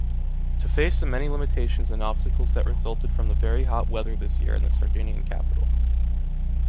To face the many limitations and obstacles that resulted from the very hot weather this year in the Sardinian capital.